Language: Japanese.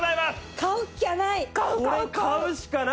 買うっきゃない！